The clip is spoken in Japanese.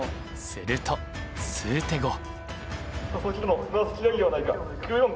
すると数手後。